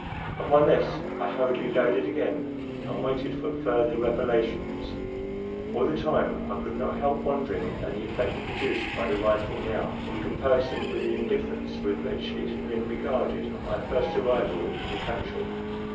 Upon this I hurriedly loaded again, and waited for further revelations. All the time I could not help wondering at the effect produced by the rifle now, in comparison with the indifference with which it had been regarded at my first arrival in the country.